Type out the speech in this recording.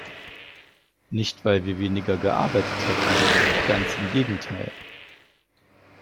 Nicht weil wir weniger gearbeitet hätten, ganz im Gegenteil.